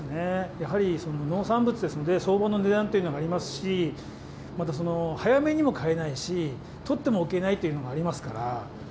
やはり、農産物ですので、相場の値段というのがありますし、またその早めにも買えないし、取ってもおけないというのがありますから。